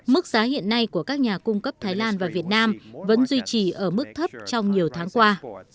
mức giá hiện nay của các nhà cung cấp thái lan và việt nam vẫn duy trì ở mức thấp trong nhiều tháng qua